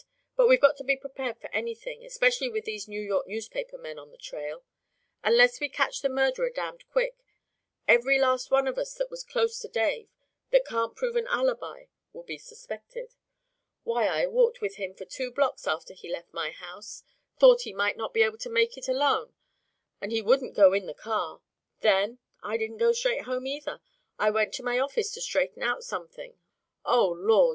But we've got to be prepared for anything, especially with these New York newspapermen on the trail. Unless we catch the murderer damned quick, every last one of us that was close to Dave that can't prove an alibi will be suspected. Why, I walked with him for two blocks after he left my house thought he might not be able to make it alone, and he wouldn't go in the car; then, I didn't go straight home, either. I went to my office to straighten out something Oh, Lord!